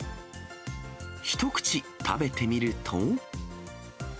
一口食べてみると。